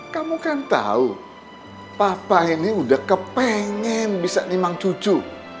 kamu kan tau papa ini udah kepengen bisa ni mang cucu